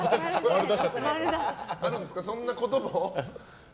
あるんですか、そんなことも。